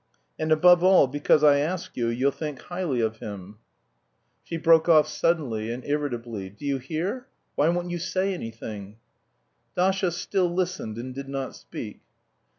And, above all, because I ask you, you'll think highly of him," She broke off suddenly and irritably. "Do you hear? Why won't you say something?" Dasha still listened and did not speak.